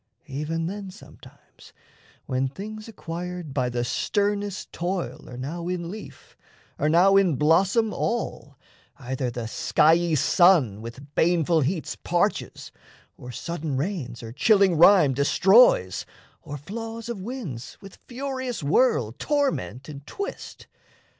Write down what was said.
Even then sometimes, When things acquired by the sternest toil Are now in leaf, are now in blossom all, Either the skiey sun with baneful heats Parches, or sudden rains or chilling rime Destroys, or flaws of winds with furious whirl Torment and twist.